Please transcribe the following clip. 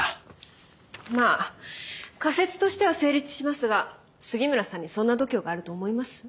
まあ仮説としては成立しますが杉村さんにそんな度胸があると思います？